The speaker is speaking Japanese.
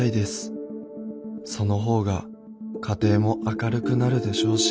その方が家庭も明るくなるでしょうし」。